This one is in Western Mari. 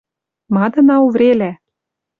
Мадына уврелӓ!